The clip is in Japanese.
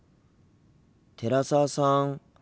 寺澤さん